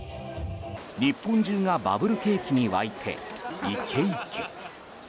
日本中がバブル景気に沸いてイケイケ。